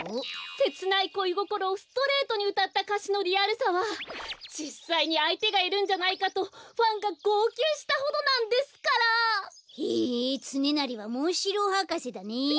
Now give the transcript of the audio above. せつないこいごころをストレートにうたったかしのリアルさはじっさいにあいてがいるんじゃないかとファンがごうきゅうしたほどなんですから！へえつねなりはモンシローはかせだね。